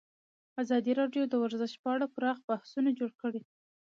ازادي راډیو د ورزش په اړه پراخ بحثونه جوړ کړي.